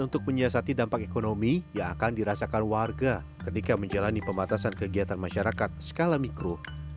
untuk menyiasati dampak ekonomi yang akan dirasakan warga ketika menjalani pembatasan kegiatan masyarakat skala mikro